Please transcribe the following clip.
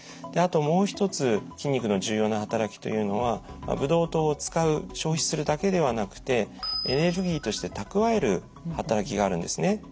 であともう一つ筋肉の重要な働きというのはブドウ糖を使う消費するだけではなくてエネルギーとして蓄える働きがあるんですね。